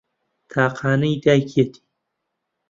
تاقانەی دایکیەتی